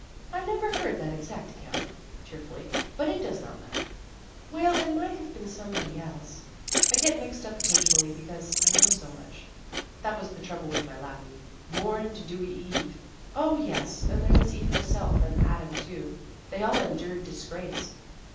"" I never heard that exact account," cheerfully, "but it does not matter." "Well, it might have been somebody 12 Vassar Studies else. I get mixed up occasionally because I know so much. That was the trouble with my Latin. Morn to dewy eve. Oh, yes, and there was Eve herself, and Adam too. They all endured disgrace."